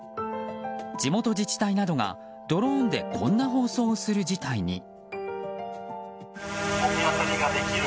地元自治体などがドローンでこんな放送をする事態に。